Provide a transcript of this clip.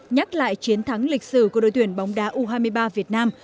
nhắc lại chiến thắng lịch sử của đội tuyển bóng đá u hai mươi ba việt nam